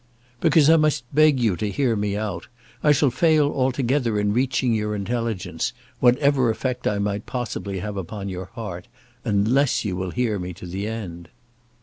"Because I must beg you to hear me out. I shall fail altogether in reaching your intelligence, whatever effect I might possibly have upon your heart, unless you will hear me to the end."